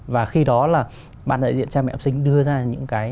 và khi đó là ban đại diện cha mẹ học sinh đưa ra những cái